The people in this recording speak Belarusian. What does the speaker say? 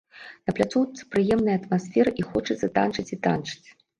На пляцоўцы прыемная атмасфера і хочацца танчыць і танчыць.